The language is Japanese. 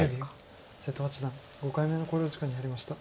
瀬戸八段５回目の考慮時間に入りました。